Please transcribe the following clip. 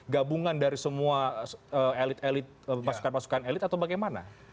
gabungan dari semua elit elit pasukan pasukan elit atau bagaimana